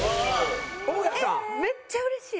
めっちゃ嬉しい。